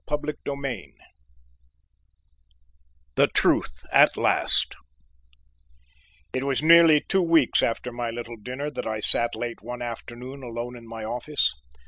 CHAPTER XIII THE TRUTH AT LAST It was nearly two weeks after my little dinner that I sat late one afternoon alone in my office.